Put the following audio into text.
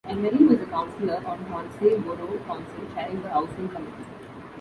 Emery was a councillor on Hornsey Borough Council, chairing the housing committee.